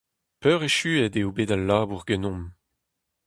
Peurechuet eo bet al labour ganeomp.